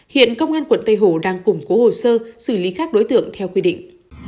hiện công an quận tây hồ đang củng cố hồ sơ xử lý các đối tượng theo quy định